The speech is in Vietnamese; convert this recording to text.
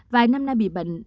vài năm nay bị bệnh